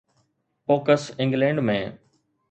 pox England ۾